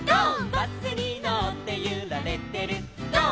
「バスにのってゆられてるゴー！